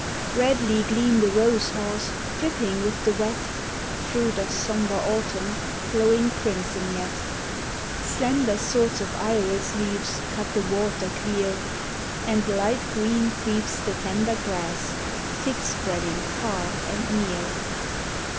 Redly gleam the rose haws, dripping with the wet, Fruit of sober autumn, glowing crimson yet; Slender swords of iris leaves cut the water clear, And light green creeps the tender grass, thick spreading far and near.